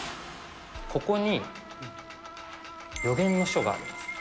ここに予言の書があります。